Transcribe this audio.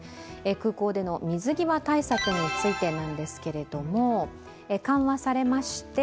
空港での水際対策についてなんですけれども緩和されました。